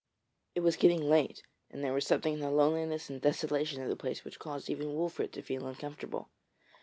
It was getting late, and there was something in the loneliness and desolation of the place which caused even Wolfert to feel uncomfortable.